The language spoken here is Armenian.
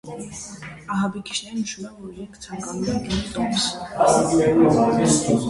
Ահաբեկիչները նշում են, որ իրենք ցանկանում են գնել տոմս։